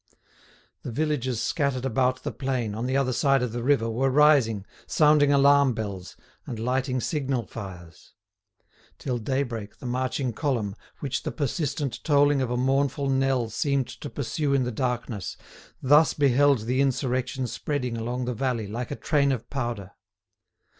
The villages scattered about the plain, on the other side of the river, were rising, sounding alarm bells, and lighting signal fires. Till daybreak the marching column, which the persistent tolling of a mournful knell seemed to pursue in the darkness, thus beheld the insurrection spreading along the valley, like a train of powder.